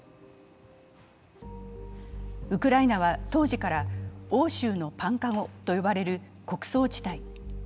ウクライナは当時から欧州のパンかごと呼ばれる穀倉地帯。